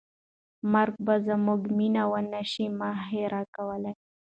مرګ به زموږ مینه ونه شي مهار کولی.